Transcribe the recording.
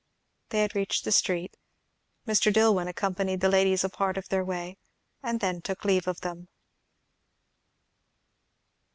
They had reached the street. Mr. Dillwyn accompanied the ladies a part of their way, and then took leave of them.